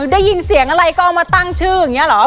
ได้ยินเสียงอะไรก็เอามาตั้งชื่ออย่างนี้เหรอ